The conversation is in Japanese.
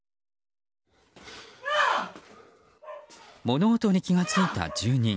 物音に気が付いた住人。